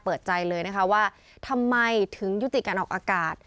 เปิดใจเลยนะคะว่าทำไมถึงยุติการออกอากาศ